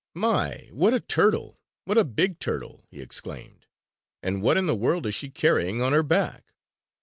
"My, what a turtle! What a big turtle!" he exclaimed. "And what in the world is she carrying on her back?"